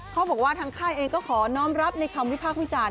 เขาบอกว่าทางค่ายเองก็ขอน้องรับในคำวิพากษ์วิจารณ